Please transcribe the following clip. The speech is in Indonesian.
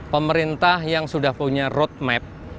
pemerintah yang sudah punya roadmap